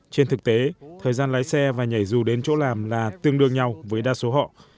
trên thực tế thời gian lái xe và nhảy dù đến chỗ làm là tương đương nhau với đa số họ